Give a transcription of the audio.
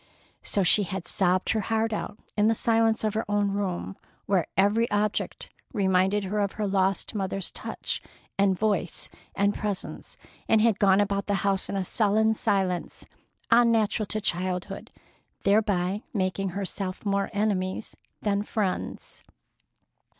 So she had sobbed her heart out in the silence of her own room, where every object reminded her of the lost mother's touch and voice and presence, and had gone about the house in a sullen silence unnatural to childhood, thereby making herself more enemies than friends.